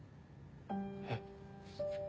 えっ？